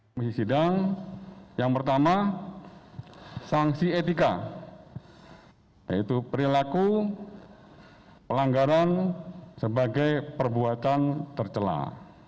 komisi sidang yang pertama sanksi etika yaitu perilaku pelanggaran sebagai perbuatan tercelah